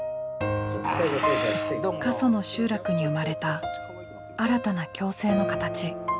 過疎の集落に生まれた新たな共生の形。